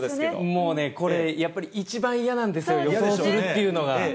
もうね、これ、やっぱり一番嫌なんですよ、予想するっていうのが。